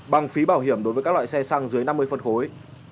bằng phí bảo hiểm đối với các loại xe xăng dưới năm mươi phân khối